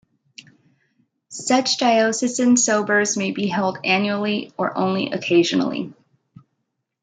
Such diocesan sobors may be held annually or only occasionally.